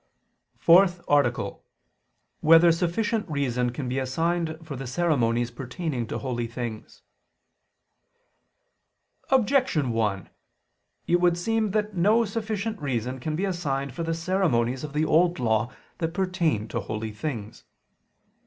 5:15). ________________________ FOURTH ARTICLE [I II, Q. 102, Art. 4] Whether Sufficient Reason Can Be Assigned for the Ceremonies Pertaining to Holy Things? Objection 1: It would seem that no sufficient reason can be assigned for the ceremonies of the Old Law that pertain to holy things.